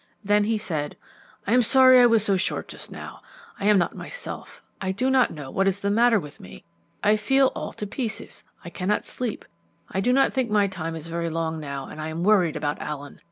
Then he said, "I am sorry I was so short just now. I am not myself. I do not know what is the matter with me. I feel all to pieces. I cannot sleep. I do not think my time is very long now, and I am worried about Allen.